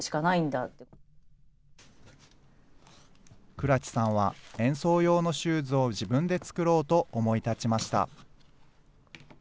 倉知さんは演奏用のシューズを自分で作ろうと思い立ちました。